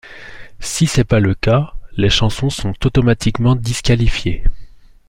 Si c'est pas le cas, les chansons sont automatiquement disqualifiés.